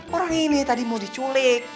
orang ini tadi mau diculik